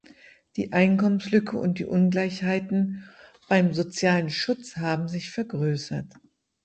Die Einkommenslücke und die Ungleichheiten beim sozialen Schutz haben sich vergrößert.